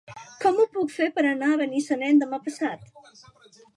Com ho puc fer per anar a Benissanet demà passat?